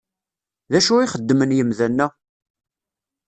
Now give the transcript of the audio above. D acu i xeddmen imdanen-a?